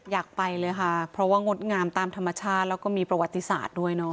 อยากไปเลยค่ะเพราะว่างดงามตามธรรมชาติแล้วก็มีประวัติศาสตร์ด้วยเนาะ